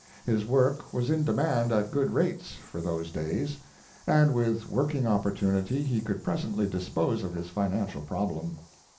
His work was in demand at good rates, for those days, and with working opportunity he could presently dispose of his financial problem.